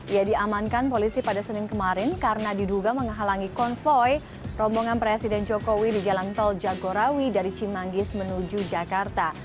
ia diamankan polisi pada senin kemarin karena diduga menghalangi konvoy rombongan presiden jokowi di jalan tol jagorawi dari cimanggis menuju jakarta